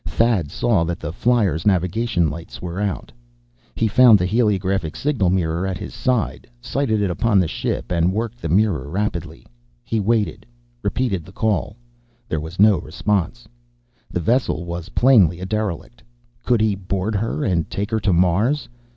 Thad saw that the flier's navigation lights were out. He found the heliograph signal mirror at his side, sighted it upon the ship, and worked the mirror rapidly. He waited, repeated the call. There was no response. The vessel was plainly a derelict. Could he board her, and take her to Mars?